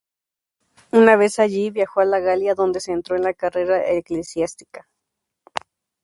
Una vez allí, viajó a la Galia, donde se entró en la carrera eclesiástica.